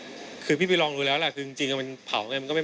จริงป่ะเนี่ยที่เค้าเถียงกันว่ามันเขียวอีกจริงว่ามันเผาไงมันก็ไม่ไหม้